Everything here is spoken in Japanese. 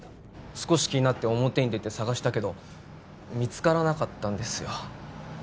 少し気になり表に出て捜したけど見つからなかったんですよ